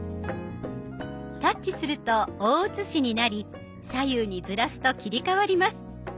タッチすると大写しになり左右にずらすと切り替わります。